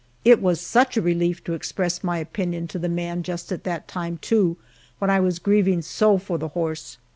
It was such a relief to express my opinion to the man just at that time, too, when I was grieving so for the horse.